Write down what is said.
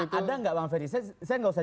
itu ada gak bang ferry saya gak usah